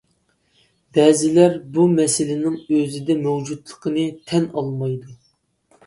بەزىلەر بۇ مەسىلىنىڭ ئۆزىدە مەۋجۇتلۇقىنى تەن ئالمايدۇ.